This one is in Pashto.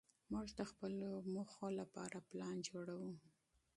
موږ د خپلو اهدافو لپاره پلان جوړوو.